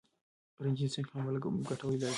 رنجیت سنګ هم خپله ګټه لیدله.